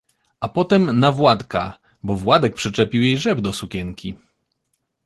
A potem na Władka, bo Władek przyczepił jej rzep do sukienki.